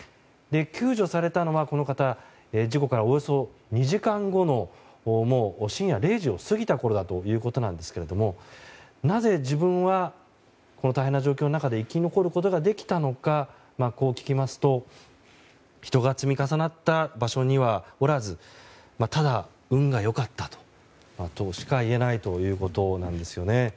救助されたのは、この方は事故からおよそ２時間後のもう深夜０時を過ぎたころだったということですがなぜ、自分はこの大変な状況の中で生き残ることができたのかこう聞きますと人が積み重なった場所にはおらずただ運が良かったとしか言えないということなんですね。